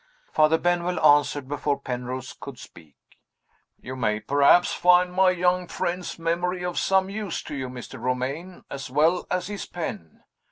Father Benwell answered before Penrose could speak. "You may perhaps find my young friend's memory of some use to you, Mr. Romayne, as well as his pen.